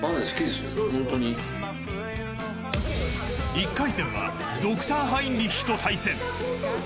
１回戦はＤｒ．ハインリッヒと対戦。